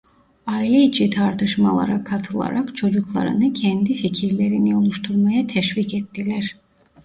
Aile içi tartışmalara katılarak çocuklarını kendi fikirlerini oluşturmaya teşvik ettiler.